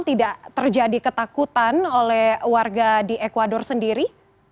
tidak terjadi ketakutan oleh warga di ecuador sendiri